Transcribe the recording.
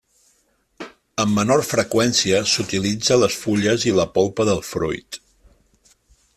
Amb menor freqüència s'utilitza les fulles i la polpa del fruit.